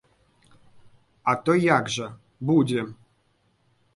А то як жа, будзе.